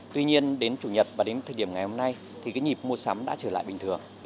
tuy nhiên đến chủ nhật và đến thời điểm ngày hôm nay thì cái nhịp mua sắm đã trở lại bình thường